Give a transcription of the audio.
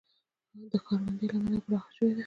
د ښارونډۍ لمن پراخه شوې وه